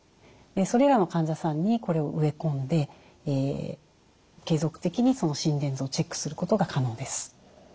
それらの患者さんにこれを植え込んで継続的に心電図をチェックすることが可能です。